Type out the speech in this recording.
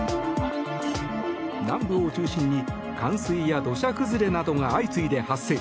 南部を中心に冠水や土砂崩れなどが相次いで発生。